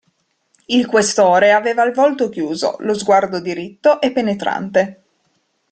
Il Questore aveva il volto chiuso, lo sguardo diritto e penetrante.